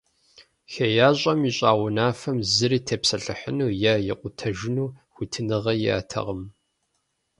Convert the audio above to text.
ХеящӀэм ищӀа унафэм зыри тепсэлъыхьыну е икъутэжыну хуитыныгъэ иӀэтэкъым.